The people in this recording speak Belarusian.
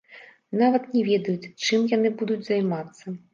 Нават не ведаюць, чым яны будуць займацца.